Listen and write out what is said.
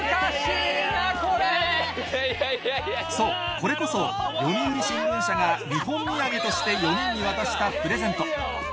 これこそ読売新聞社が日本土産として４人に渡したプレゼント